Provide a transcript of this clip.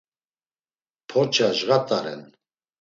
Porça cğat̆a ren.